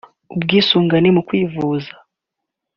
ubwisungane mu kwivuza